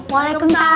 makasih kang aceh